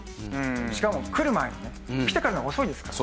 しかも来る前にね。来てからじゃ遅いですから。